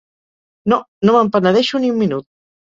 No, no me'n penedeixo ni un minut.